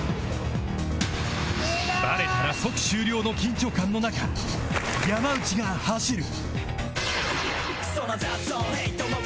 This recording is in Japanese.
バレたら即終了の緊張感の中山内が走る！